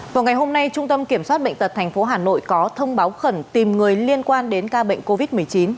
vào ngày hôm nay trung tâm kiểm soát bệnh tật tp hà nội có thông báo khẩn tìm người liên quan đến ca bệnh covid một mươi chín